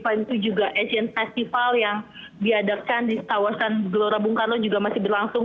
selain itu juga asian festival yang diadakan di kawasan gelora bung karno juga masih berlangsung